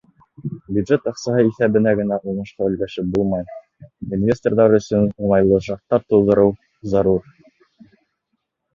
Бюджет аҡсаһы иҫәбенә генә уңышҡа өлгәшеп булмай, инвесторҙар өсөн уңайлы шарттар тыуҙырыу зарур.